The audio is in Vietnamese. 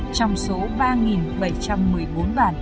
trong số ba bảy trăm một mươi bốn bản